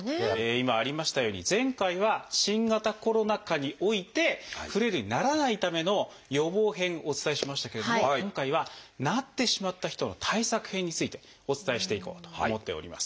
今ありましたように前回は新型コロナ禍においてフレイルにならないための予防編お伝えしましたけれども今回はなってしまった人の対策編についてお伝えしていこうと思っております。